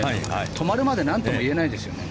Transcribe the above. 止まるまで何とも言えないですよね。